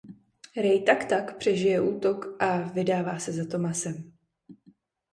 Ray tak tak přežije útok a vydává se za Thomasem.